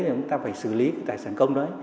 chúng ta phải xử lý tài sản công đó